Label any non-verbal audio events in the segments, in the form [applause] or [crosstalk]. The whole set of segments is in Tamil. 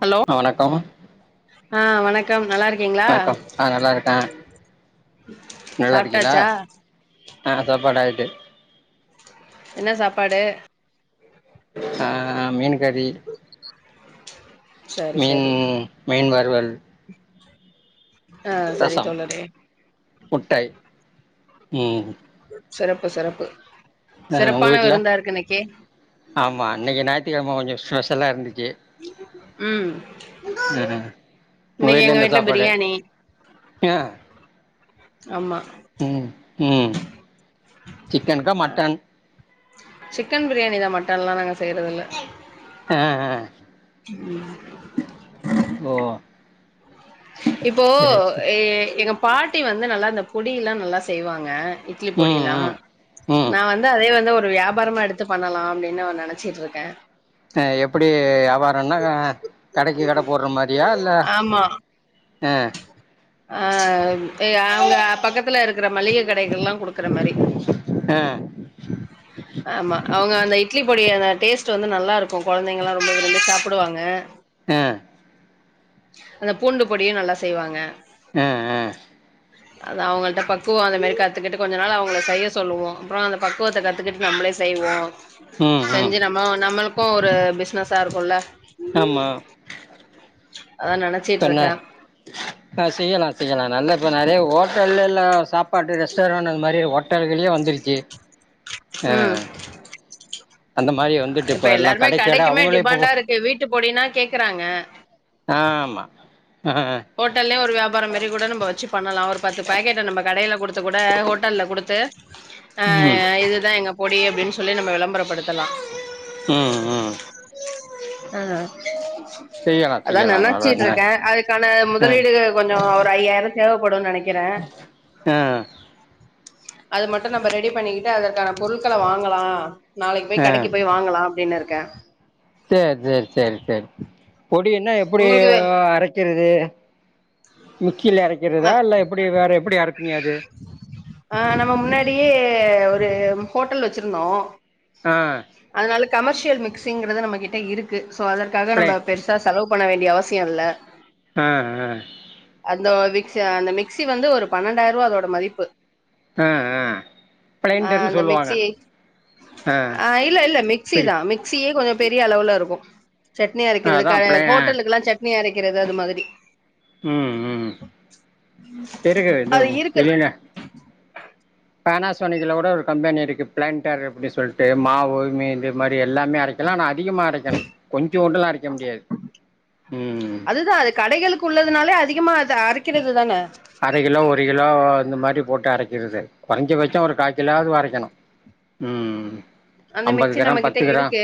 ஹலோ வணக்கம் ஆ வணக்கம் நல்லாருக்கீங்ளா வணக்கம் ஆ நல்லா இருக்கே நல்லா இருக்கீங்களா சாப்டாச்சா ஆ சாப்பாடாய்ட்டு என்ன சாப்பாடு ஆ மீன் கறி சரி மீன் சரி மீன் வறுவல் ஆ செரி ரசம் தோழரே முட்டை ம் சிறப்பு சிறப்பு ஆ உங்க சிறப்பான வீட்ல விருந்தா இருக்கு இன்னைக்கு ஆமா இன்னக்கி நாய்த்திகெழ்ம கொஞ்ச ஸ்பெஷலாருந்துச்சு ம் ம் ம் உங்க இன்னைக்கு வீட்ல எங்க என்ன சாப்பாடு பிரியாணி ம் ஆமா ம் ம் சிக்கன்கா மட்டன் சிக்கன் ப்ரியாணி தா மட்டன்லா நாங்க செய்றதுல்ல அ அன் ஓ இப்போ சேரி சேரி எ எங்கப் பாட்டி வந்து நல்லா இந்த பொடியில்லா நல்லா செய்வாங்க இட்லி ம் பொடில்லான் ம் ம் நா வந்து அதே வந்து ஒரு வியாபாரமா எடுத் து பண்ணலா அப்டின் நெனச்சிட்ருக்கே அ எப்டி வ்யாபாரன்னா கடக்கி கட போற்ற மாரியா இல்ல ஆமா அன் ஆ எ அவங்க பக்கத் துல இருக்ற மளிகை கடைகுல்லா குடுக்குற மாரி ஆ ஆமா அவ்ங்க அந்த இட்லி பொடி அந்த டேஸ் டு வந்து நல்லாருக்கு கொழந்தைங்கல்லா ரொம்ப விரும்பி சாப்புடுவாங்க அ அந்த பூண்டு பொடியு நல்லா செய்வாங்க அ அது அவுங்கள்ட்ட பக்குவ அந்த மேரி கத்துக்கிட்டு கொஞ்ச நாள் அவுங்கள செய்ய சொல்லுவோ அப்ற அந்த பக்குவத்த கத்துக்கிட் நம்ளே செய்வோ ம் ம் செஞ்சு நம்ப நம்பளுக்கு ஒரு பிஸ்னஸா இருக்குல்ல ஆமா அத நெனச் இப்பென்ன ஆ செய்யலா செய்யலா நல்ல இப்ப நெறைய ஒட்டல்லல்ல சாப்பாட்டு ரெஸ்டாரண்ட் அந்த மாரி ஒட்டல்கல்யே வந்துருச்சு ம் அ அந்த மாரி வந்துட்டு இப்ப எல்லா எல்லாருமே கடைக்கட கடைக்குமே அவுங்களு டிமாண்டா இப்ப இருக்கு வீட்டு பொடினா கேக்குறாங்க ஆமா ஆ ஹோட்டல்லயே ஒரு வியாபார மாரி கூட நம்ம வச்சு பண்ணலா ஒரு பத்து பேக்கெட்ட நம்ம கடையில் குடுத்து கூட ஹோட்டல்ல குடுத்து ஆ ம் இதுதா எங்க பொடி அப்டின் சொல்லி நம்ப விளம்பரப்படுத்தலா ம் ம் ம் செய்யலா அதா செய்யலா நல்ல ‌நெனச்சுட்ருக்கே அது க்கான ஆ முதலீடு கொஞ்ச ஒரு ஐயாயிர தேவைப்படுன் நெனைக்கிறே ஆ அது மட்டு நம்ப ரெடி பண்ணிக்கிட்டு அதற்கான பொருட்கள வாங்கலா நாளைக்கு போய் ஆ கடைக்கு போய் வாங்கலா அப்டின்னு இருக்கே சேர் சேர் சேர் சேர் பொடி என்னா எப்டி உங்களுக்கு அரை க்கிறது மிக்ஸில அறக்கிறதா இல்ல எப்டி வேற எப்டி அரப்பிங்க அது ஆ நம்ம முன்னாடியே ஒரு ஹோட்டல் வச்சிருந்தோ ஆ அதனால கமர்ஷியல் மிக்சிங்கிறது நம்ம கிட்ட இருக்கு சோ அதற்காக பிளே நம்ப பெரு சா செலவு பண்ண வேண்டிய அவசிய இல்ல ஆ ஆ அந்த மிக்ஸி அந்த மிக்ஸி வந்து ஒரு பன்னெண்டாயருவா அதோட மதிப்பு ஆ ஆ ஆ பிளைன்டர்ன்னு அந்த சொல்லுவாங்க மிக்ஸியை ஆ இல்ல இல்ல பெரி மிக்ஸிதா மிக் ஸியே கொஞ்ச பெரிய அளவுல இருக்கு சட்னி ஆ அரைக்கிறதுக்கா அதான் பிளை ஆ ஹோட்டலுக்கல்லா சட் னி அரைக்கிறது அது மாதிரி ம் ம் இருக்குது இது அது இருக்கு இல்லினா பேனாசோனிக்கல கூட ஒரு கம்பெனி இருக்கு ப்ளண்டர் அப்டின் சொல்ட்டு மாவு மீ இது மாரி எல்லாமே அரை இதல்லா நா அதிகமா அரைக்கணு கொஞ்சோண்டுலா அரைக்க முடியாது ம் அதுதா அது கடைகளுக்கு உள்ளதுனாலே அதிகமா அது அரைக்கிறது தானே அரை கிலோ ஒரு கிலோ இந்த மாரி போட்டு அரைக்கிறது கொறஞ்ச பட்ச ஒரு கால் கிலோவாது அரைக்கனு ம் அந்த ஐம்பது மிக்சி நம்ம கிராம் கிட்ட பத்து கிராம் இருக்கு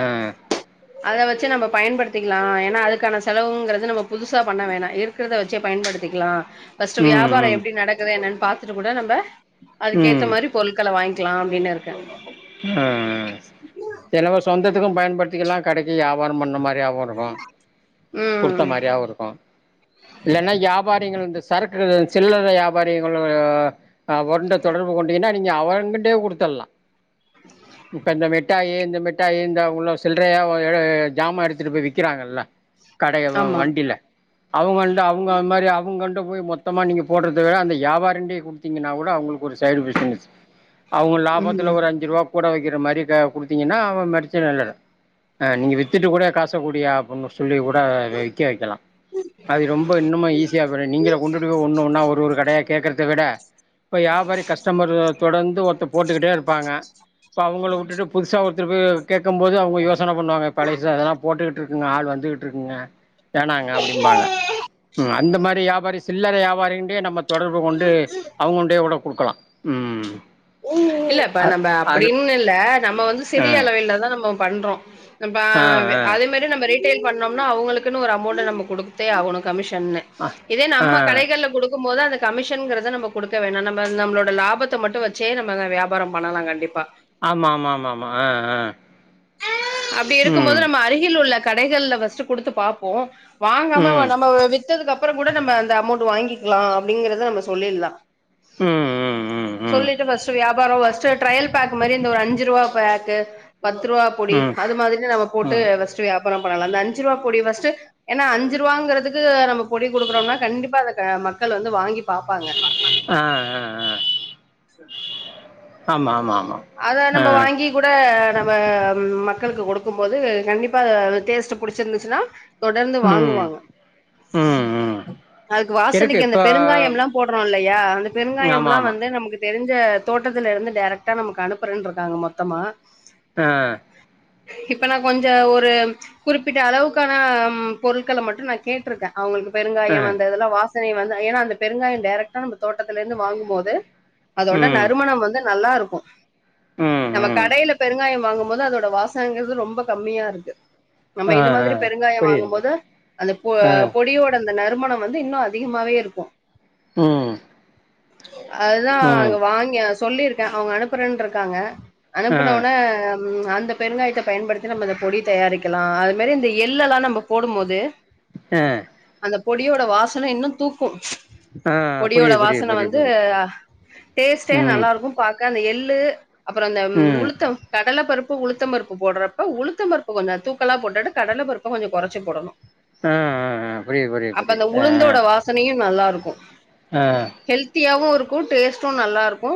அ அத வச்சு நம்ப பயன்படுத்திக்கலா ஏன்னா அதுக்கான செலவுங்கிறது நம்ம புதுசா பண்ண வேணா இருக்றத வச்சே பயன்படுத்திக்லா ஃபர்ஸ்ட்டு வியாபாரோ ம் எப்டி நடக்குது என்னன்னு பாத்துட்டு கூட நம்ம ம் அதுக்க ஏத்த ம் மாரி பொருட்கள வாங்க்கலா அப்டின்னு இருக்கே ஆ சிலவ சொந்தத்துக்கு பயன்படுத்திக்கல்லா கடைக்கு யாபாரோ பண்ண மாரியாவு இருக்கு குடுத்த ம் மாரியாவு இருக்கு இல்லன்னா யாபாரிகள் இந்து சரக்கு சில்லற வியாபாரிகள் அவன்ட தொடர்பு கொண்டீங்கன்னா நீங்க அவங்கிட்டே கொடுத்தல்லா இப்போ இந்த மிட்டாயி இந்த மிட்டாயி இந்த அவ்ளோ சில்லறையா ஜாமான் எடுத்துட்டு போய் விக்கிறாங்கல்ல கடை யல்லா ஆமா வண்டில அவுங்கள்ட அவுங்க அந்த மாரி அவங்ககண்ட போய் மொத்தமா நீங்க போடுறத விட அந்த வியாபாரின்ட்டே குடு நீங்கனா கூட அவங்களுக்கு ஒரு சைடு பிஸ்னஸ் அவங்க ம் லாபத்துல ஒரு அஞ்சு ரூபா கூட வைக்கிற மாரி கே குடுத்தீங்கன்னா அவ மடிச்சன இல்ல அ நீங்க வித்துட்டு கூட காசக்கூடியா அப்படீனு சொல்லி கூட விக்க வைக்கலா அது ரொம் இப்ப இன்னுமே ஈஸியா பேயிரு நீங்க கொண்டு போய் ஒன்னு ஒன்னா ஒரு ஒரு கடையா கேக்கரத விட இப்ப வியாபாரி கஸ்டமர் தொடர்ந்து ஒருத்தர் போட்டுக்கிட்டே இருப்பாங்க இப்போ அவங்கள விட்டுட்டு புதுசா ஒருத்தருக்கு கேக்கும்போது அவங்க யோசன பண்ணுவாங்க பழஸ அதெல்லா போட்டுக்கிட் இருக்குங்க ஆள் வந்துகிட்டு இருக்குங்க வேனாங்க அப்படிம்பாங்க அந்த மாரி வியாபாரி சில்லறை வியாபாரின்ட்டே நம்ம தொடர்பு கொண்டு அவங்கொண்டே கூட குடுக்கலா ம் இல்லப்பா அ நம்ம அது அப்படின்னு இல்ல நம்ம வந்து ஆ சிரிய அளவில்லதா நம்ம பண்றோ ப்ப ஆ ஆ அதே மார் நம்ம ரீட்டெய்ல் பண்ணோம்னா அவங்களுக்கு ஒரு அமௌண்ட் நம்ம கொடுத்தே ஆகனு கமிஷன்னு அ இதே ஆ நம்ம கடைகள்ல கொடுக்கும் போது அந்த கமிஷன்ங்கிறத நம்ம குடுக்க வேண்டா நம்ம நம்மளோட லாபத் த்த மட்டு வச்சே நம்மதா வியாபாரோ பண்ணலா கண்டிப்பா ஆமா ஆமா ஆமா ஆமா ஆ ஆ அப்டி இருக்கும் ம் போது நம்ம அருகில் உள்ள கடைகள்ல ஃபஸ்ட்டு குடுத்து பாப்போ ம் வாங்காம நம்ம வித்ததுக்கு அப்புற கூட நம்ம அந்த அமௌண்ட்ட வாங்கிக்கலா அப்படிங்கறத நம்ம சொல்லிர்லா உஉ உ சொல்லிட்டு ஃபஸ்ட் வியாபாரோ ஃபஸ்ட் ட்ரயல் பேக் மாரி இந்த ஒரு அஞ்சு ரூவா பேக்கு பத்து ரூவா பொடி ம் அது மாதிரி நம்ம போட்டு ம் ஃபஸ்ட் வியாபாரோ பன்னலா அந்த அஞ்சு ரூவா பொடி ஃபஸ்டு ஏன்னா அஞ்சு ரூபாங்கிறதுக்கு நம்ம பொடி குடுக்குறோம்னா கண்டிப்பா அத மக்கள் வந்து வாங்கி பாப்பாங்க ஆ ஆ அ ஆ ஆமா ஆமா ஆமா அத ஆ நம்ம வாங்கி கூட நம்ம மக்களுக்கு கொடுக்கும் போது கண்டிப்பா டேஸ்ட் புடிச்சிருந்துச்சுன்னா தொடர்ந்து ம் வாங்குவாங்க ம் ம் அதுக்கு இருக்கு வாசனைக்கு அந்த இப்போ பெருங்காயம்லா போடுறோ இல்லையா அந்த ஆமா பெருங்காயம்லா ஆமா வந்து நமக்கு தெரிஞ்ச தோட்டத்துல இருந்து டேரக்ட்டா நமக்கு அனுப்புறன்ட்ருக்காங்க மொத்தமா ஆ இப்பனா கொஞ்ச ஒரு குறிப்பிட்ட அளவுக்கான பொருட்கள மட்டு நா கேட்டிருக்க அவங்களுக்கு ஆ பெருங்காயம் அந்த இதெல்லா வாசனை வந்து ஏன்னா அந்த பெருங்காயோ டேரக்டா நம்ம தோட்டத்தில இருந்து வாங்கும் போது அதோட ம் நறுமணம் வந்து நல்லா இருக்கு ம் நம்ம ம் கடையில பெருங்காயம் வாங்கும் போது அதோட வாசனங்கிறது ரொம்ப கம்மியா இருக்கு நம்ம ஆ இத ஆ மாதிரி பெருங்காயோ புரியுது வாங்கும் போது புரியுது அந்த பொ ஆ பொடியோட அந்த நறுமணம் வந்து இன்னு அதிகமாவே இருக்கு ம் அதுதா ம் அங்க வாங்யே சொல்லிருக்கே அவுங்க அனுப்புறன் ருக்காங்க ஆ அனுப்புன ஆ ஒனே ம் அந்த பெருங்காயத்த பயன்படுத்தி நம்ம இந்த பொடி தயாரிக்கலா அது மேரி இந்த எள்ளு எல்லா நம்ப போடும் போது ஆ அந்த பொடியோட வாசன இன்னு தூக்கு ஆ பொடியோட புரியுது புரியுது வாசன புரியுது வந்து புரியுது டேஸ்டே ம் நல்லாருக்கு பாக்க அந்த எள்ளு அப்பறோ அந்த ம் உளுத்தம் கடல பருப்பு உளுத்த பருப்பு போட்றப்ப உளுத்த பருப்பு கொஞ்ச தூக்கல்லா போட்டுட்டு கடல பருப்ப கொஞ்ச கொறச்சி போடனு ஆ ஆ ஆ புரியுது புரியுது புரியுது ஆ ஆ உளுந்தோட வாசனையு நல்லாருக்கு ஆ ஹெல்த்தியாவு இருக்கு டேஸ்ட்டு நல்லா இருக்கு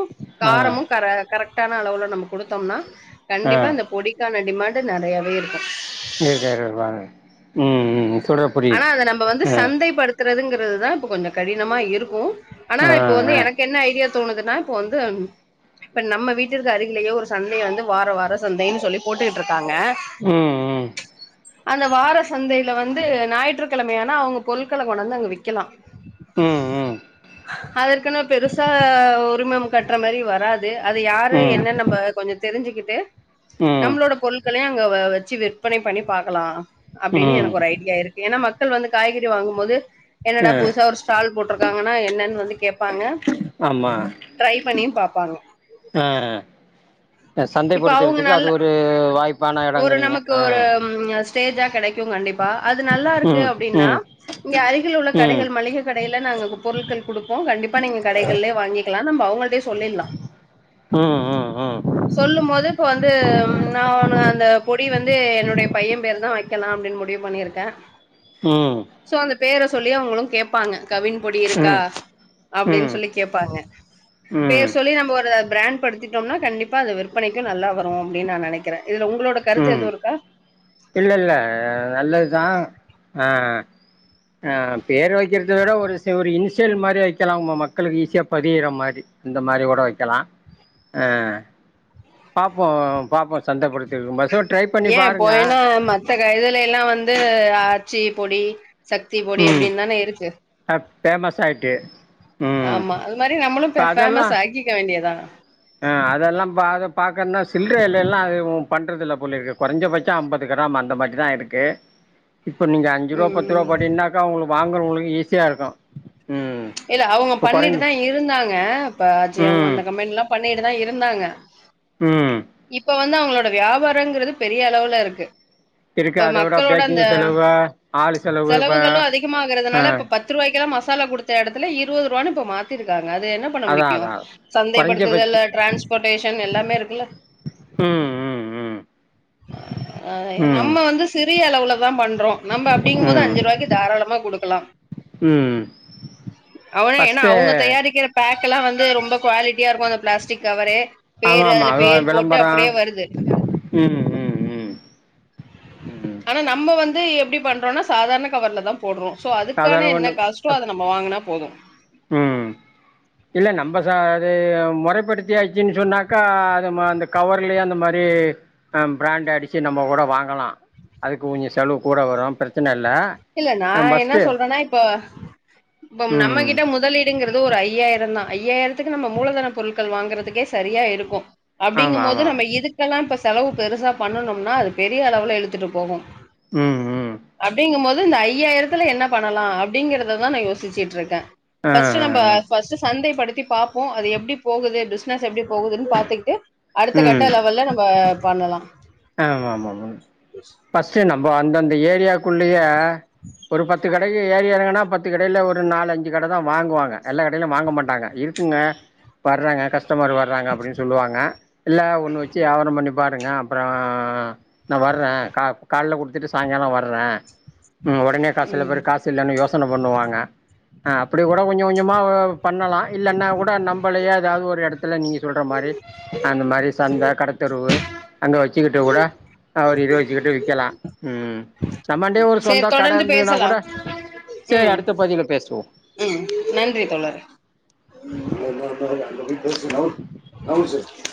ஆ காரமு கர கரெக் டான அளவுல நம்ம குடுத்தம்னா ஆ ஆ கண்டிப்பா இந்த பொடிக்கான டிமாண்ட் நெறையாவே இருக்கு இங்க கேக்கற பாருங்க ம் ம் ம் சொல்ற ஆனா புரியுது அத நம்ப வந்து ஆ சந்தைப் படுத்துறதுங்கிறது தா இப்ப கொஞ்ச கடினமா இருக்கு ஆனா ஆ இப்ப வந்து ஆ என க் என்ன ஐடியா தோனுதுனா இப்ப வந்து இப்ப நம்ம வீட்டிற்க்கு அருகிலேயோ ஒரு சந்தய வந்து வார வார சந்தைன்னு சொல்லி போட்டுட்ருக்காங்க ம் ம் அந்த வார சந்தைல வந்து ஞாயிற்றுக் கிழமையானா அவுங்க பொருள்கள கொண்டாந்து அங்க விக்கலா ம் ம் அதுக்குனு பெருசா உரிமம் கட்ற மாரி வராது அது யாரு ம் என்னன் நம்ப கொஞ்ச தெரிஞ்சிக்கிட்டு ம் நம்ளோட பொருள்களையு அங்க வ வச்சு விற்பனை பண்ணி பாக்கலா அப்டின்னு ம் எனக்கு ஒரு ஐடியா இருக் ஏனா மக்கள் வந்து காய்கறி வாங்கு போது என்னடா ஆ புதுசா ஒரு ஸ்டால் போட்டிருக்காங்கன்னா என்னன் வந்து கேப்பாங்க ஆமா ட்ரை பண்ணியு பாப்பாங்க ஆ அ சந்தைப் இப்ப அவங்க படுத்துறதுக்கு நல்ல அது ஒரு வாய்ப் ஒரு நமக்கு ஒரு ஸ்டேஜா கெடைக்கு கண்டிப்பா அது நல்லாருக்கு ம் அப்டின்னா ம் இங்க அருகில் உள்ள ம் ம் கடைகள் மளிகை கடயில நாங்க பொருள்கள் குடுப்போ கண்டிப்பா நீங்க கடைகள்ள வாங்கிக்கலா நம்ப அவங்கள்டே சொல்லிலா ம் ம் சொல்லு போது இப்ப வந்து நா ம அந்த பொடி வந்து என்னுடைய பைய பேரு தா வைக்கலா அப்டின் முடிவு பண்ணிருக்கே ம் சோ அந்த பேர சொல்லி அவுங்களு கேப்பாங்க கவின் பொடி இருக்கா ம் அப்டின் ம் சொல்லி கேப்பாங்க ம் பேர் சொல்லி நம்ம ஒரு பிரண்ட் படுத்திட்டோம்னா கண்டிப்பா அது விற்பனைக்கு நல்லா வரு அப்டின் நா நெனைக்கிற இதுல உங்களோட கருத்து ம் எது இருக்கா இல்ல இல்ல நல்லது தா ஆ ஆ பேர் வைக் கிரத விட ஒரு ஒரு இன்ஸ் சியல் மாரி வைக்கலா உங்க மக்களுக்கு ஈஸியா பதியிற மாரி இந்த மாரி கூட வைக்கலா ஆ பாப்போ பாப்போ சந்தப்படுத் டிது மாசோ ட்ரை பண்ணி பாருங்க மற்ற கைதுல எல்லா வந்து ஆச்சி பொடி சக்தி பொடி அப்டின் தான இருக்கு ட ஃபேமஸ் ஆய்ட்டு ஆமா அது மாரி நம்மளு ஃப அதெல்லா ஃபேமஸ் ஆக்கிக்க வேண்டியதா ஆ அதெல்லா பாக்க பாக்கண்ண சில்றயில்ல எல்லா அது பண்றதில்ல போலிருக்கு கொறஞ்ச பட் ச அம்பது கிராம் அந்த மாரி தா இருக்கு இப்ப நீங்க அஞ்சுருவா பத்துருவா ம் போட்டின்னாக்கா உங்களுக்கு வாங்குறவங்களுக்கு ஈஸியா இருக்கு ம் இல்ல அவுங்க இப்ப கொறைஞ்சு பண்ணிட்டுதா இருந்தாங்க இப்ப அஜய் அவுங்க ம் அந்த கம்பெனில்லா பண்ணிட்டுதா இருந்தாங்க ம் இப்ப வந் து அவுங்களோட வியாபாரங்கிறது பெரிய அளவுல இருக்கு இருக்கு இப்ப அத விட மக்களோட அந்த பேக்கிங் செலவு ஆள் செலவு இப்ப செலவுகளு ஆ அதிகமாகறதுனால இப்ப பத் துருவாய்க்கெலா மசாலா குடுத்த எடத்துல இருவதுருவானு இப்ப மாத்திருக்காங்க அது என்ன பண்ண அதா முடியு அதா கொறைஞ்சபட்ச சந்தைப்படுத்துதல டிரான்ஸ்போர்டேஷன் எல்லாமே இருக்குல்ல ம் ம் அ ம் நம்ம வந்து சிறிய அளவுல தா பண்றோ நம்ம அப்டிங்குமோது ம் ம் அஞ்சுருவாய்க்கு தாராளமா குடுக்கலா ம் அவன ஏனா ஃபஸ்ட்டு அவுங்க தயாரிக்கிற பேக் எல்லா வந்து ரொம்ப குவாலிட்டியா இருக்கு அந்த ப்ளாஸ்டிக்கவரே ஆமா பேரு ஆமா அதுல அது பேர் போட்டு விளம்பர அப்படியே வருது ம் ம் ம் ம் ஆனா நம்ம வந்து எப்டி பண்றோனா சாதார்ண கவர்லதா போடுறோ ஸோ அதுக்கான அதெல்லா என்ன ஒண்ணு காஷ்டோ அப் அத நம்ம வாங்குனா போது ம் இல்ல நம்ப ச அது மொறைப்படுத்தியாச்சுன்னு சொன்னாக்கா அது ம அந்த கவர்லயே அந்த மாரி அ பிராண்ட் அடிச்சு நம்ம கூட வாங்கலா அதுக்கு கொஞ்சோ செலவு கூட வரு பிற இல்ல நா என்ன சொல்றேனா இப்ப இப்ப ம் நம்மகிட்ட முதலீ ப்படிங்கிறது ஒரு ஐயாயிரோ தா ஐயாயிரத்துக்கு நம்ம மூலதன பொருட்கள் வாங்கறதுக்கே சரியா இருக்கு ஆமா ஆமா அப்டிங்குமோது நம்ம இதுக்கெல்லா இப்ப செலவு பெருசா பண்ணனும்னா அது பெரிய அளவுல இழுத்துட்டு போகு ம் ம் அப்டிங்குமோது இந்த ஐயாயிரத்துல என்ன பண்ணலா அப்டிங்கிறததா நா யோசிச்சுட்ருக்கே ஆ ஃபஸ்ட்டு நம்ப ஆ ஆ ஃபஸ்ட்டு சந்தை படுத்தி பாப்போ அது எப்டி போகுது பிசினஸ் எப்டி போகுதுனு பாத்துக்கிட்டு அடுத்த ம் கட்ட லெவல்ல நம்ம பண்ணலா ஆமா ஆமா ஆமா ஃபஸ்ட்டு நம்ம அந்தந்த ஏரியாக்குள்ளயே ஒரு பத்து கடைக்கு ஏறி எறங்குனா பத் து கடையில ஒரு நாலு அஞ்சு கட தா வாங்குவாங்க எல்லா கடையிலு வாங்க மாட்டாங்க இருக்குங்க வர்றாங்க கஸ்டமர் வ ராங்க அப்படின் சொல்லுவாங்க இல்ல ஒன்னு வெச்சு வியாபாரம் பண்ணி பாருங்க அப்புறோ நா வர்றே கா கால்ல குடுத்துட்டு சாய்ங்காலோ வர்ரே ம் ஒடனே கா சில ம் பேரு காஸ் சில்லன்னு யோசன பண்ணுவாங்க ஆ அப்படி கூட கொஞ்ச கொஞ்சமா ஒ பண்ணலா இல்லன்னா கூட நம்பளயே எதாவது ஒரு எடத்துல நீங்க சொல்ற மாரி அந்த மாரி சந்த கடத்தெருவு அங்க வெச்சுக்கிட்டு கூட அவுரு யோஸ்ச்சுக்கிட்டு விக்கலா ம் நம்மாண்டயே ஒரு சேரி சொந்த கட தொடர்ந்து இருந்துதுன்னா பேசலா கூட செரி ம் அடுத்த பதிவ்ல பேசுவோ ம் நன்றி தோழரே [unintelligible]